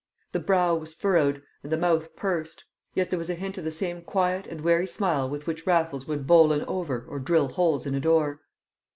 The brow was furrowed, and the mouth pursed, yet there was a hint of the same quiet and wary smile with which Raffles would bowl an over or drill holes in a door.